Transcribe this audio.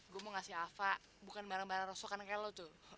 gue mau ngasih apa bukan barang barang rosokan kayak lo tuh